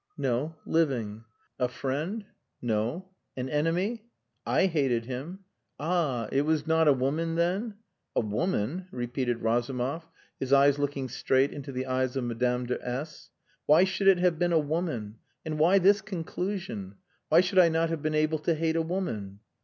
"No. Living." "A friend?" "No." "An enemy?" "I hated him." "Ah! It was not a woman, then?" "A woman!" repeated Razumov, his eyes looking straight into the eyes of Madame de S . "Why should it have been a woman? And why this conclusion? Why should I not have been able to hate a woman?"